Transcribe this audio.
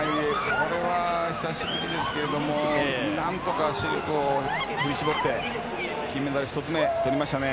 あれは久しぶりですけど何とか死力を振り絞って金メダル１つ目、とりましたね。